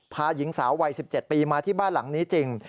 ๑๗ปีมาที่บ้านหลังนี้จริง